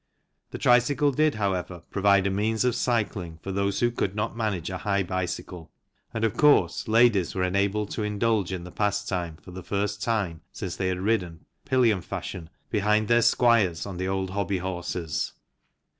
The tricycle did, however, provide a means of cycling for those who could not manage a high bicycle and, of course, ladies were enabled to indulge in the pastime for the first time since they had ridden pillion fashion behind their squires on the old hobby horses.